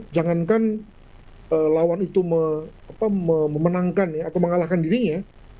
jangankan lawan itu memenangkan atau mengalahkan dirinya